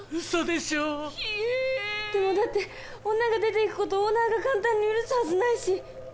でもだって女が出ていく事オーナーが簡単に許すはずないし。